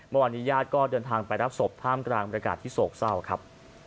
เมื่อวันนี้ญาติก็เดินทางไปรับศพพร่ามกลางบรรกาศที่โศกเศร้าครับ